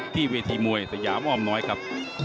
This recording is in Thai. เวทีมวยสยามอ้อมน้อยครับ